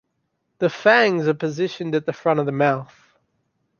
The fangs are positioned at the front of the mouth.